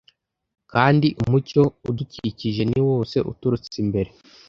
Kandi umucyo udukikije ni wose uturutse imbere;